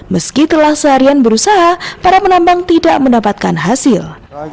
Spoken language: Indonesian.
meski telah seharian berusaha para penambang tidak mendapatkan hasil